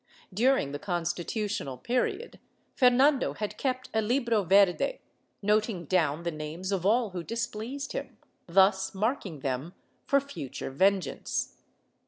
During the constitutional period, Fernando had kept a Libro Verde, noting down the names of all who displeased him, thus marking them for future vengeance.